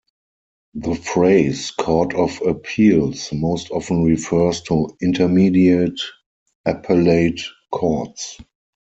The phrase "court of appeals" most often refers to intermediate appellate courts.